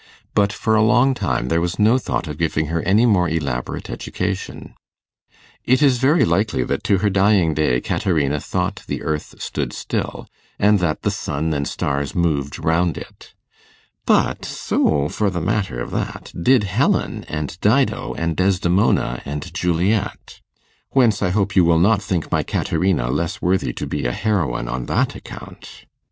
But, for a long time, there was no thought of giving her any more elaborate education. It is very likely that to her dying day Caterina thought the earth stood still, and that the sun and stars moved round it; but so, for the matter of that, did Helen, and Dido, and Desdemona, and Juliet; whence I hope you will not think my Caterina less worthy to be a heroine on that account.